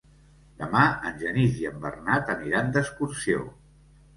Demà en Genís i en Bernat aniran d'excursió.